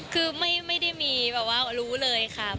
คือไม่ได้มีรู้เลยครับ